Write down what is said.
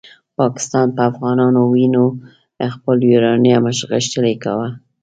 پاکستان په افغانانو وینو خپل یورانیوم غښتلی کاوه.